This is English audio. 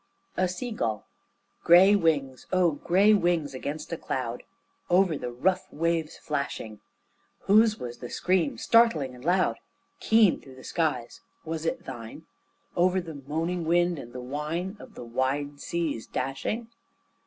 A SEA GULL Grey wings, O grey wings against a cloud, Over the rough waves flashing, Whose was the scream, startling and loud, Keen through the skies, was it thine, Over the moaning wind and the whine Of the wide seas dashing?